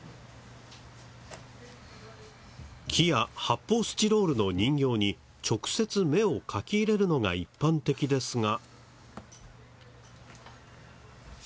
木や発泡スチロールの人形に直接目を描き入れるのが一般的ですが。